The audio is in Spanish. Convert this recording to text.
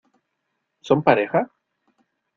¿Son pareja?